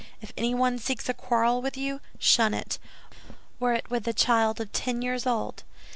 If anyone seeks a quarrel with you, shun it, were it with a child of ten years old.